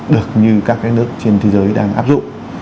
được như các cái nước trên thế giới đang áp dụng